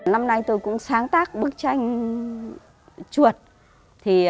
năm nay tôi cũng sáng tác bức tranh chuột